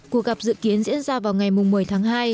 cuộc gặp dự kiến diễn ra vào ngày một mươi tháng hai